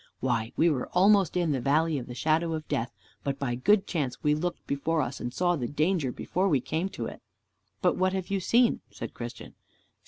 "Why, we were almost in the Valley of the Shadow of Death, but by good chance we looked before us and saw the danger before we came to it." "But what have you seen?" said Christian.